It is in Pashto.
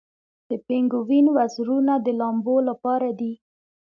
د پینګوین وزرونه د لامبو لپاره دي